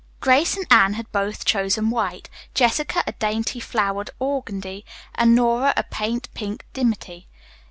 Grace and Anne had both chosen white, Jessica a dainty flowered organdie, and Nora a pale pink dimity.